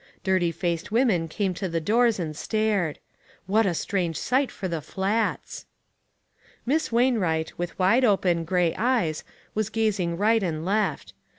Dirty faced women came to the doors and stared. What a strange sight for the Flats ! Miss Wainwright, with wide open, gray 274 ONE COMMONPLACE DAY. eyes, was gazing right and left.